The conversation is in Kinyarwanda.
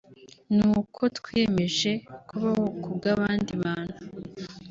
ni uko twiyemeje kubaho ku bw’abandi bantu